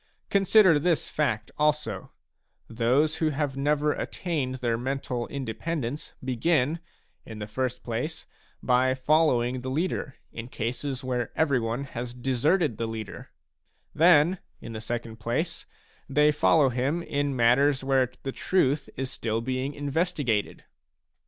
Consider this fact also: those who have never attained their mental independence begin, in the first place, by following the leader in cases where every one has deserted the leader; then, in the second place, they follow him in matters where the truth is still being investigated.